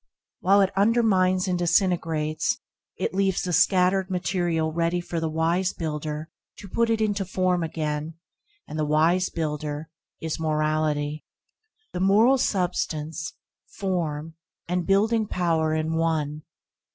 While it undermines and disintegrates, it leaves the scattered material ready for the wise builder to put it into form again; and the wise builder is Morality. The moral is substance, form, and building power in one.